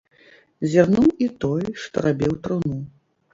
Зірнуў і той, што рабіў труну.